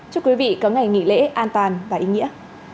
chúc quý vị có ngày nghỉ lễ an toàn và ý nghĩa